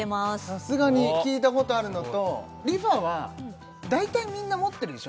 さすがに聞いたことあるのとＲｅＦａは大体みんな持ってるでしょ